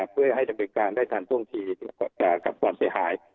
เพื่อให้ดำเนินการได้ทันท่วงทีกับความเสียหาย